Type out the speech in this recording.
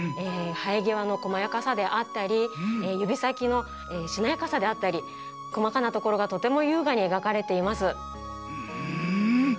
はえぎわのこまやかさであったりゆびさきのしなやかさであったりこまかなところがとてもゆうがにえがかれています。